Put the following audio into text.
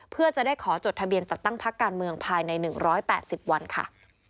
เพื่อจะได้ขอจดทะเบียนจัดตั้งพักการเมืองภายใน๑๘๐วันค่ะ